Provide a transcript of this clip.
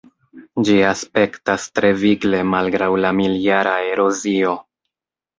Ĝi aspektas tre vigle malgraŭ la mil-jara erozio.